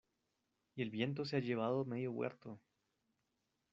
y el viento se ha llevado medio huerto.